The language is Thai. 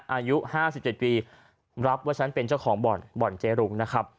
อายุห้าสิบเจ็ดปีรับว่าฉันเป็นเจ้าของบ่อนบ่อนเจ๊รุ้งนะครับ